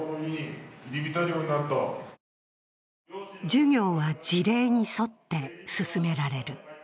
授業は事例に沿って進められる。